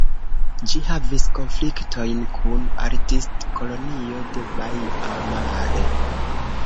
Ĝi havis konfliktojn kun Artistkolonio de Baia Mare.